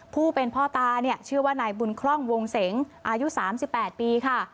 ผู้เป็นพ่อตาเนี่ยชื่อว่านายบุญคล่องวงเสงอายุ๓๘ปีค่ะ